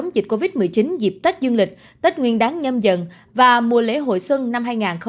dịp tết dương lịch tết nguyên đáng nhâm dận và mùa lễ hội xuân năm hai nghìn hai mươi hai